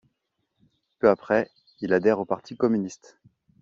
Peu après, il adhère au parti communiste.